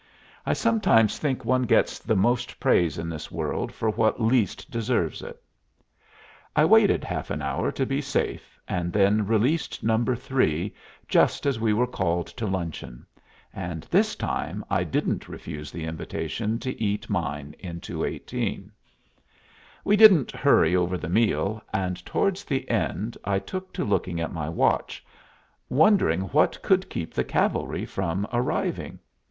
I sometimes think one gets the most praise in this world for what least deserves it. I waited half an hour to be safe, and then released No. 3, just as we were called to luncheon; and this time I didn't refuse the invitation to eat mine in 218. We didn't hurry over the meal, and towards the end I took to looking at my watch, wondering what could keep the cavalry from arriving.